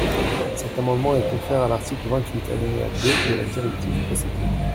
Cet amendement est contraire à l’article vingt-huit, alinéa deux de la directive « Procédure ».